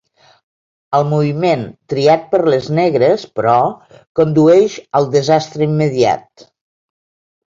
El moviment triat per les negres, però, condueix al desastre immediat.